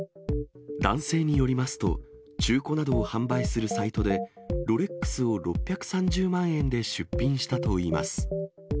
男性によりますと、中古などを販売するサイトで、ロレックスを６３０万円で出品したといいます。